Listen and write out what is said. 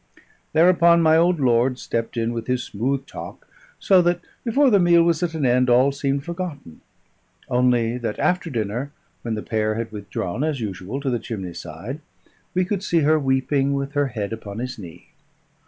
Thereupon my old lord stepped in with his smooth talk, so that before the meal was at an end all seemed forgotten; only that, after dinner, when the pair had withdrawn as usual to the chimney side, we could see her weeping with her head upon his knee.